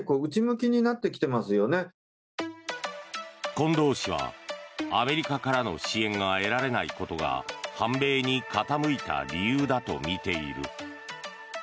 近藤氏は、アメリカからの支援が得られないことが反米に傾いた理由だとみている。